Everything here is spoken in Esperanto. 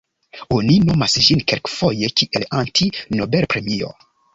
Oni nomas ĝin kelkfoje kiel "Anti-Nobelpremio".